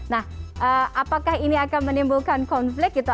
nah apakah ini akan menimbulkan konflik gitu